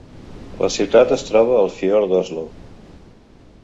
La ciutat es troba al fiord d'Oslo.